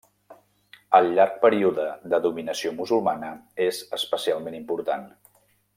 El llarg període de dominació musulmana és especialment important.